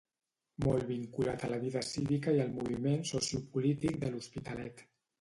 Molt vinculat a la vida cívica i al moviment sociopolític de l'Hospitalet.